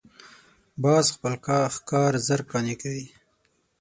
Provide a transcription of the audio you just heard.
باز خپل ښکار ژر قانع کوي